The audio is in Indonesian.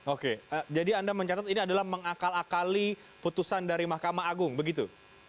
oke jadi anda mencatat ini adalah mengakal akali putusan dari mahkamah agung begitu